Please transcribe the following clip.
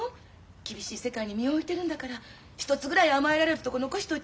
厳しい世界に身を置いてるんだから一つぐらい甘えられるとこを残しておいていいの。ね？